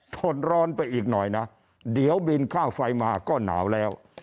ทนร้อนไปอีกหน่อยนะเดี๋ยวบินค่าไฟมาก็หนาวแล้ว